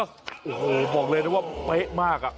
โอ้โหบอกเลยนะว่าเป๊ะมาก